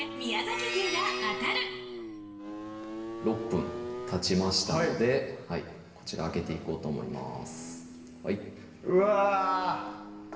６分たちましたのでこちら開けていこうと思いますはいうわ！